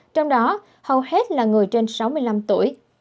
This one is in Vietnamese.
trong đó hầu hết là người trên sáu mươi năm tuổi